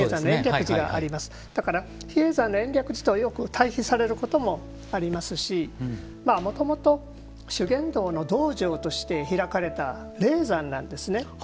だから比叡山の延暦寺とよく対比されることもありますしもともと修験道の道場として開かれた霊山なんですね。